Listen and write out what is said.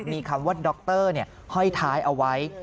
มีคำว่าด็อกเตอร์ให้ท้ายเอาไว้